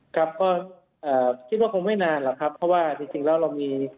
ครับก็คิดว่าคงไม่นานหรอกครับเพราะว่าจริงแล้วเรามี